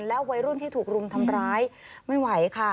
วัยรุ่นที่ถูกรุมทำร้ายไม่ไหวค่ะ